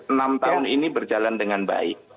enam tahun ini berjalan dengan baik